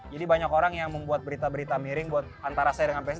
jadi banyak orang yang membuat berita berita miring buat antara saya dengan psi